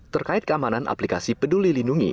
terkait keamanan aplikasi peduli lindungi